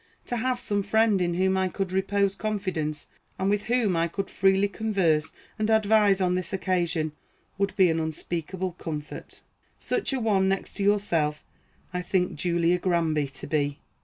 To have some friend in whom I could repose confidence, and with whom I could freely converse and advise on this occasion, would be an unspeakable comfort. Such a one, next to yourself, I think Julia Granby to be.